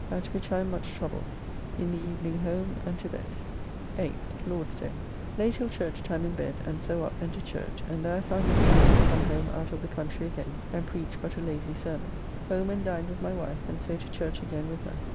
At which I am much troubled. In the evening home and to bed. 8th (Lord's day). Lay till church time in bed, and so up and to church, and there I found Mr. Mills come home out of the country again, and preached but a lazy sermon. Home and dined with my wife, and so to church again with her.